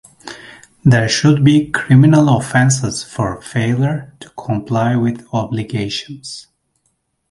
There should be criminal offences for failure to comply with obligations.